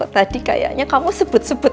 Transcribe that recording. tadi kayaknya kamu sebut sebut